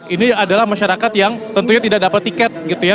ini adalah masyarakat yang tentunya tidak dapat tiket gitu ya